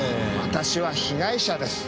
私は被害者です。